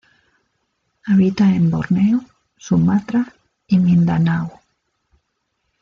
Habita en Borneo, Sumatra y Mindanao.